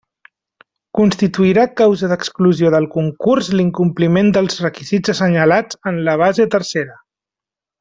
Constituirà causa d'exclusió del concurs l'incompliment dels requisits assenyalats en la base tercera.